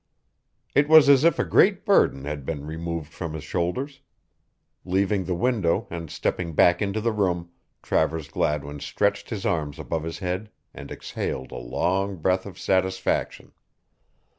It was as if a great burden had been removed from his shoulders. Leaving the window and stepping back into the room, Travers Gladwin stretched his arms above his head and exhaled a long breath of satisfaction.